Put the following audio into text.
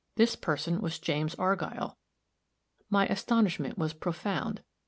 This person was James Argyll. My astonishment was profound.